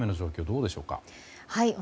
どうでしょうか。